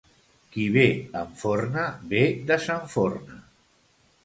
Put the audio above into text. Qui bé enforna, bé desenforna.